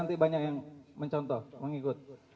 nanti banyak yang mencontoh mengikut